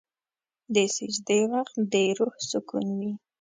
د سجدې وخت د روح سکون وي.